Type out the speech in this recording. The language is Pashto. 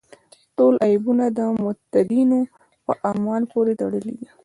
ټول عیبونه د متدینو په اعمالو پورې تړلي دي.